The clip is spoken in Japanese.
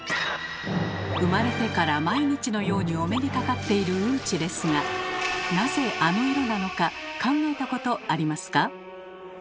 生まれてから毎日のようにお目にかかっているうんちですがなぜあの色なのか考えたことありますか？